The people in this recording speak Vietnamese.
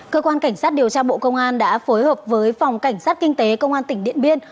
cơ quan cảnh sát điều tra bộ công an đã phối hợp với phòng cảnh sát kinh tế công an tỉnh điện biên